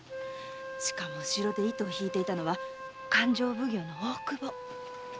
しかも後ろで糸を引いていたのは勘定奉行の大窪。